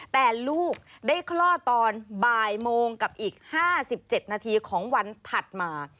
แต่ลูกได้คลอดตอนบ่ายโมงกับอีก๕๗นาทีของวันถัดมา